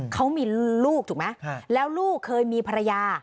เขามีลูกถูกไหมแล้วลูกเคยมีภรรยา